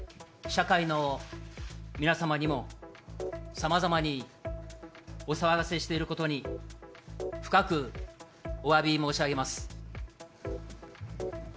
社会の皆様にもさまざまにお騒がせしていることに、深くおわび申し上げます。